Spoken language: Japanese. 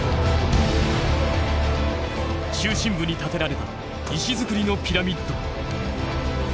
中心部に建てられた石造りのピラミッド。